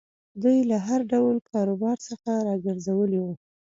دوی له هر ډول کاروبار څخه را ګرځولي وو.